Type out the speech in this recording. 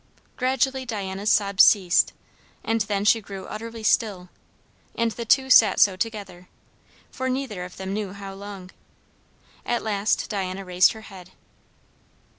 Gradually Diana's sobs ceased; and then she grew utterly still; and the two sat so together, for neither of them knew how long. At last Diana raised her head.